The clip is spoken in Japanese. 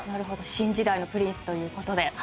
新時代のプリンスということで。